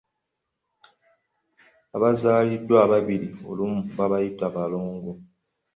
Abazaaliddwa ababiri olumu bayitibwa balongo.